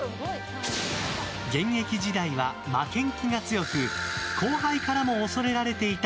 現役時代は負けん気が強く後輩からも恐れられていた